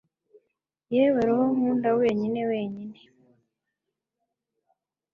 Yewe roho nkunda wenyine wenyine